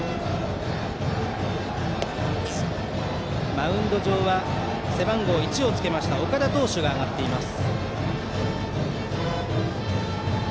マウンド上は、背番号１をつけた岡田投手が上がっています。